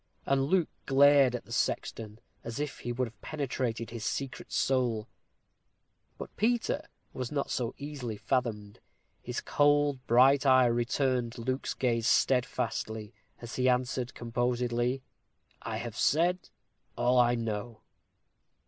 And Luke glared at the sexton as if he would have penetrated his secret soul. But Peter was not easily fathomed. His cold, bright eye returned Luke's gaze steadfastly, as he answered, composedly: "I have said all I know."